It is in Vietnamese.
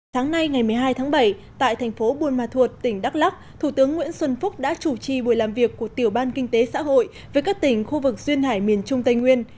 sáng nay ngày một mươi hai tháng bảy tại thành phố buôn ma thuột tỉnh đắk lắc thủ tướng nguyễn xuân phúc đã chủ trì buổi làm việc của tiểu ban kinh tế xã hội với các tỉnh khu vực duyên hải miền trung tây nguyên